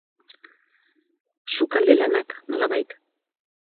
Sukalde lanak, nolabait.